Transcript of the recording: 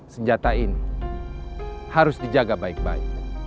senjata ini harus dijaga baik baik